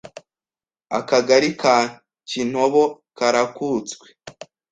Akagari ka kintobo karakutswe